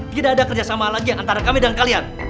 tidak ada kerjasama lagi antara kami dan kalian